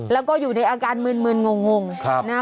แล้วก็อยู่ในอาการเมื่นงง